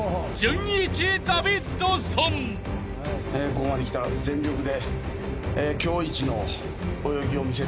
ここまで来たら全力で。